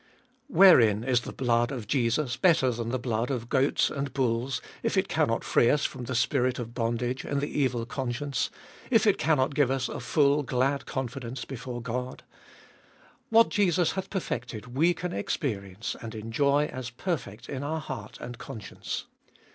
7. "Wherein is the blood of Jesus better than the blood of goats and bulls, if it cannot free us from the spirit of bondage and the evil conscience, if it cannot glue us a full glad confidence before Qod ? What Jesus hath perfected we can experience and enjoy as perfect in our heart and conscience.